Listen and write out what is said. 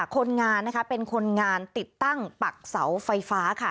คนงานนะคะเป็นคนงานติดตั้งปักเสาไฟฟ้าค่ะ